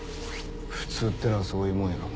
「普通」ってのはそういうもんやろ。